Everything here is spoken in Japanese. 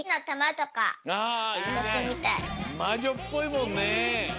まじょっぽいもんね。